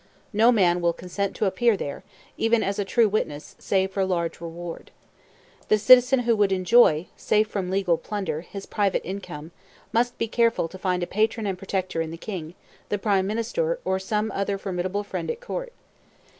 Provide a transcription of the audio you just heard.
No man will consent to appear there, even as a true witness, save for large reward. The citizen who would enjoy, safe from legal plunder, his private income, must be careful to find a patron and protector in the king, the prime minister, or some other formidable friend at court.